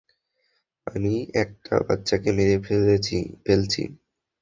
আমি একটা বাচ্চাকে মেরে ফেলছি!